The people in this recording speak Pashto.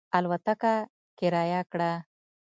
الوتکه کرایه کړه.